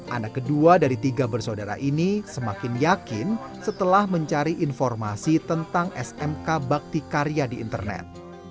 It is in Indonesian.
anak kedua dari tiga bersaudara ini semakin yakin setelah mencari informasi tentang smk bakti karya di internet